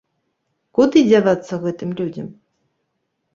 Куды дзявацца гэтым людзям?